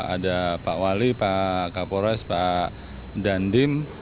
ada pak wali pak kapolres pak dandim